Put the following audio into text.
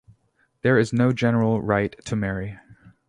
There is no general right to marry.